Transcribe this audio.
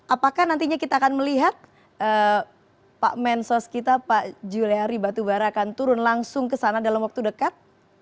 apakah nantinya kita akan melihat pak mensos kita pak julehari batubara akan turun langsung ke sana dalam waktu dekat